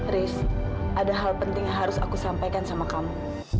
riz ada hal penting yang harus aku sampaikan sama kamu